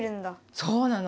そうなの。